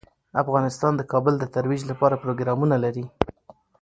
افغانستان د کابل د ترویج لپاره پروګرامونه لري.